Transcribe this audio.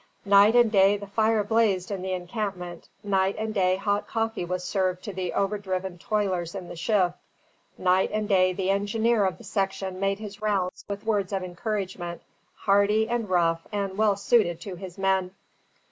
Night and day the fire blazed in the encampment; night and day hot coffee was served to the overdriven toilers in the shift; night and day the engineer of the section made his rounds with words of encouragement, hearty and rough and well suited to his men.